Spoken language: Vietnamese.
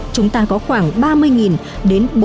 chúng ta có khoảng ba mươi nghìn đến